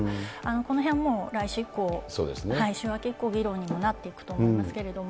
このへんも来週以降、週明け以降、議論になっていくと思いますけれども。